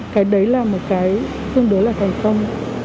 cái đấy là một cái tương đối là thành công